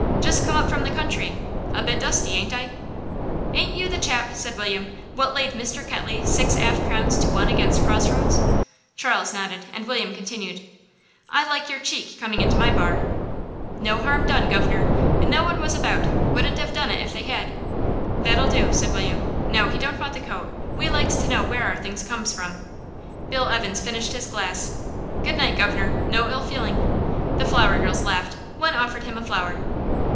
Just come up from the country a bit dusty, ain't I?" "Ain't you the chap," said William, "what laid Mr. Ketley six 'alf crowns to one against Cross Roads?" Charles nodded, and William continued "I like your cheek coming into my bar." "No harm done, gov'nor; no one was about; wouldn't 'ave done it if they had." "That'll do," said William. "... No, he don't want the coat. We likes to know where our things comes from." Bill Evans finished his glass. "Good night, guv'nor; no ill feeling." The flower girls laughed; one offered him a flower.